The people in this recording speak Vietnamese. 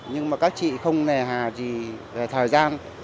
nhưng mà các chị không nề hà gì về thời gian